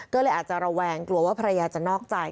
ก็เลยอาจจะระแวงกลัวว่าภรรยาจะนอกใจ